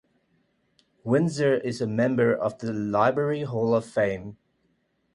Winsor is a member of the Library Hall of Fame.